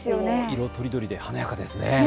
色とりどりで華やかですね。